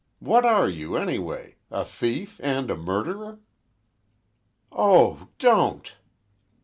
What are you anyway? A thief—and a murderer?" "Oh! Don't!"